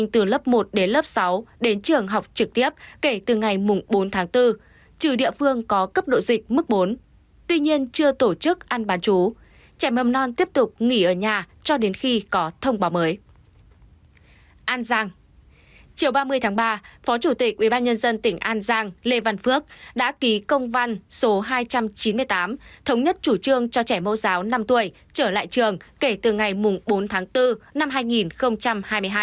thống nhất chủ trương cho trẻ mâu giáo năm tuổi trở lại trường kể từ ngày bốn tháng bốn năm hai nghìn hai mươi hai